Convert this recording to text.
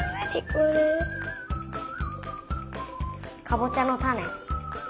かぼちゃのたね。